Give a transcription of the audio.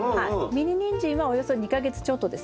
ミニニンジンはおよそ２か月ちょっとですよね。